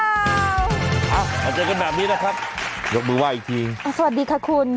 เอามาเจอกันแบบนี้นะครับยกมือไห้อีกทีสวัสดีค่ะคุณ